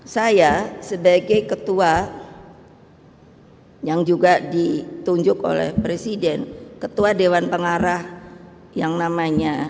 saya sebagai ketua yang juga ditunjuk oleh presiden ketua dewan pengarah yang namanya